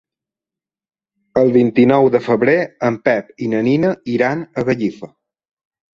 El vint-i-nou de febrer en Pep i na Nina iran a Gallifa.